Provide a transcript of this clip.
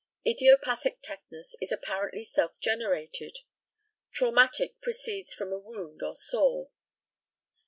Idiopathic tetanus is apparently self generated; traumatic proceeds from a wound or sore.